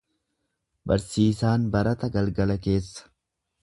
Barsiisaan barata galgala keessa.